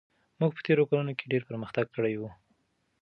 موږ په تېرو کلونو کې ډېر پرمختګ کړی و.